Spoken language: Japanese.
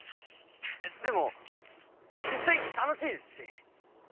でも実際楽しいですし。